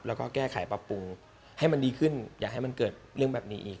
แล้วก็แก้ไขปรับปรุงให้มันดีขึ้นอย่าให้มันเกิดเรื่องแบบนี้อีก